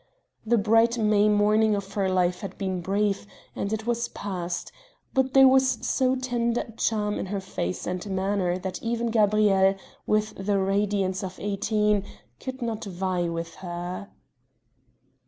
The bright May morning of her life had been brief and it was past, but there was so tender a charm in her face and manner that even Gabrielle, with the radiance of eighteen, could not vie with her.